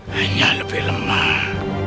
hanya lebih lemah